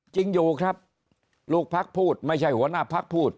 จริงอยู่ครับลูกพักพูดไม่ใช่หัวหน้าพักพูด